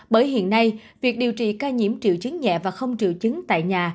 bởi hiện nay việc điều trị ca nhiễm triệu chứng nhẹ và không triệu chứng tại nhà